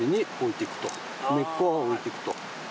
根っこは置いていくと。